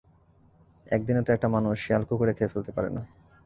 এক দিনে তো একটা মানুষ শেয়ালকুকুরে খেয়ে ফেলতে পারে না।